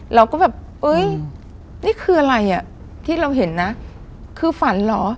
เราก็แบบนี่คืออะไรที่เราเห็นนะคือฝันหรอ